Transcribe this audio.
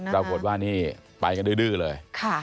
ปรากฏว่านี่ไปกันดื้อเลย